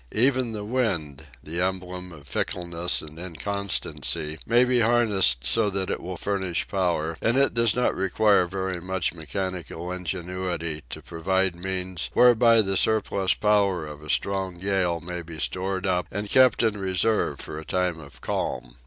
Even the wind, the emblem of fickleness and inconstancy, may be harnessed so that it will furnish power, and it does not require very much mechanical ingenuity to provide means whereby the surplus power of a strong gale may be stored up and kept in reserve for a time of calm.